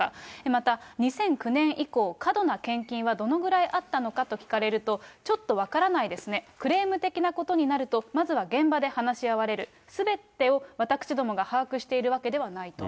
また、２００９年以降、過度な献金はどのぐらいあったのかと聞かれると、ちょっと分からないですね、クレーム的なことになるとまずは現場で話し合われる、すべてを私どもが把握しているわけではないと。